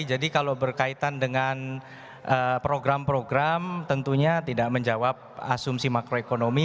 jadi kalau berkaitan dengan program program tentunya tidak menjawab asumsi makroekonomi